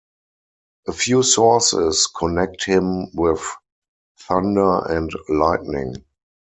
A few sources connect him with thunder and lightning.